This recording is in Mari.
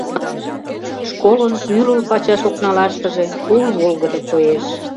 Школын ӱлыл пачаш окналаштыже тул волгыдо коеш.